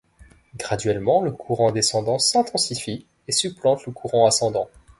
Graduellement le courant descendant s'intensifie et supplante le courant ascendant.